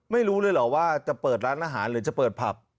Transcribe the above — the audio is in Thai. ไม่รู้เลยเหรอว่าจะเปิดร้านอาหารหรือจะเปิดผับ